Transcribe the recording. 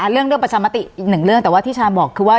เรื่องเรื่องประชามาติหนึ่งเรื่องแต่ว่าที่ชามบอกคือว่า